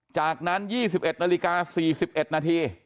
จากนั้น๒๑นาฬิกา๔๑นาที